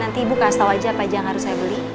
nanti ibu kasih tau aja apa yang harus saya beli